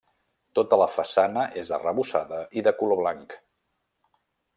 Tota la façana és arrebossada i de color blanc.